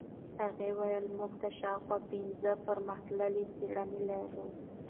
هغې وویل موږ شاوخوا پنځه پرمختللې څېړنې لرو.